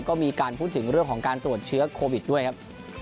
ก็มีการพูดถึงเรื่องของการตรวจเชื้อโควิดด้วยครับ